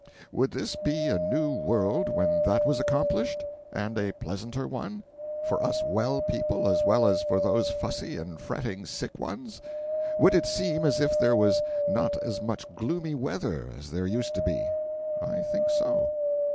Would this be a new world when that was accomplished? And a pleasanter one for us well people, as well as for those fussy and fretting sick ones? Would it seem as if there was not as much gloomy weather as there used to be? I think so.